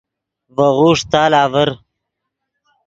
ڤے غوݰ تال آڤر